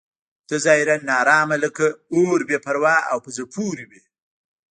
ته ظاهراً ناارامه لکه اور بې پروا او په زړه پورې وې.